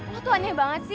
lo tuh aneh banget sih